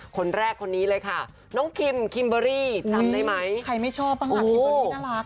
คนแรกคนนี้เลยค่ะน้องครีมครีมเบอร์รี่จำได้ไหมใครไม่ชอบอ้าวคนนี้น่ารัก